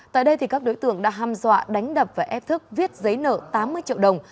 tại đây các đối tượng đã ham dọa đánh đập và ép thức viết giấy nợ tám mươi triệu đồng